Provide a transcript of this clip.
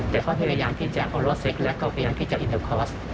แต่เขาพยายามที่จะเอารถเซ็กและเขาพยายามที่จะอินเตอร์คอร์ส